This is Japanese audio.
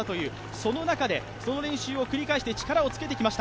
その中でその練習を繰り返して力をつけてきました。